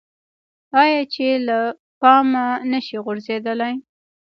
آیا چې له پامه نشي غورځیدلی؟